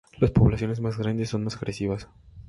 Las poblaciones más grandes son más agresivas.